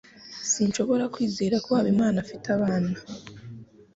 Sinshobora kwizera ko Habimana afite abana.